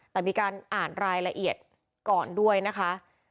แต่มีการอ่านรายละเอียดก่อนด้วยนะคะ